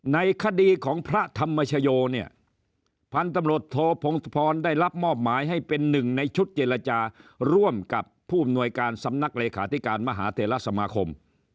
ในคดีของพระธรรมชโยเนี่ยพันธุ์ตำรวจโทพงศพรได้รับมอบหมายให้เป็นหนึ่งในชุดเจรจาร่วมกับผู้อำนวยการสำนักเลขาธิการมหาเทลสมาคม